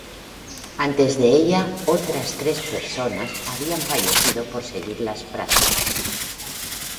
Antes de ella, otras tres personas habían fallecido por seguir las prácticas.